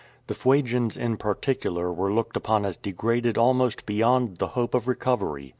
The Fuegians in particular were looked upon as degraded almost beyond the hope of recovei'y.